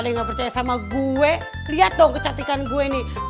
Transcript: saya nggak percaya sama gue liat dong kecantikan gue nih